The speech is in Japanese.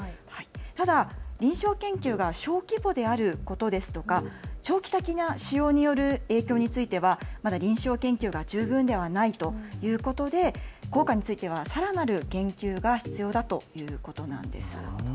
ただ臨床研究が小規模であることですとか長期的な使用による影響についてはまだ臨床研究が十分ではないということで効果についてはさらなる研究が必要だということなんです。